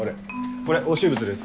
これ押収物です。